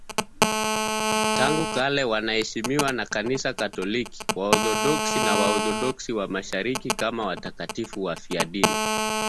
Tangu kale wanaheshimiwa na Kanisa Katoliki, Waorthodoksi na Waorthodoksi wa Mashariki kama watakatifu wafiadini.